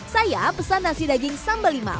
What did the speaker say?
saya pesan nasi daging sambal lima